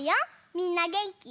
みんなげんき？